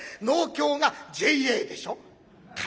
農協がＪＡでしょ。